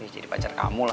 jadi pacar kamu lah